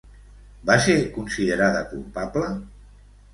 Va ser considerada culpable?